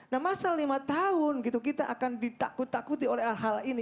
nah masalah lima tahun gitu kita akan ditakuti oleh hal ini